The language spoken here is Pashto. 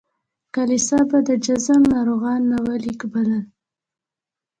کلیسا به د جذام ناروغان ناولي بلل.